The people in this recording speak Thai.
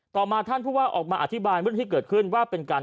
ต่อมาท่านพวกเราออกมาอธิบายวิธีเกิดขึ้นว่าเป็นการ